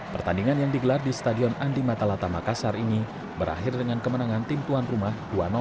pertandingan yang digelar di stadion andi matalata makassar ini berakhir dengan kemenangan tim tuan rumah dua